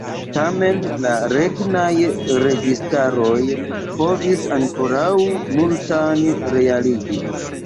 Tamen la regnaj registaroj povis ankoraŭ multan realigi.